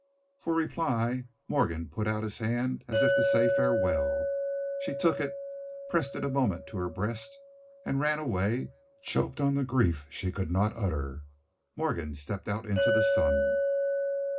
For reply Morgan put out his hand as if to say farewell. She took it, pressed it a moment to her breast, and ran away, choked on the grief she could not utter. Morgan stepped out into the sun.